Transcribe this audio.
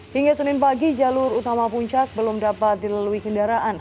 hingga senin pagi jalur utama puncak belum dapat dilalui kendaraan